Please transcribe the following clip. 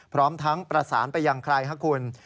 พร้อมทั้งประสานไปยังใครครับคุณ